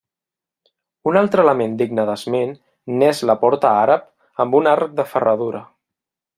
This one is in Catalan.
Un altre element digne d'esment n'és la porta àrab amb un arc de ferradura.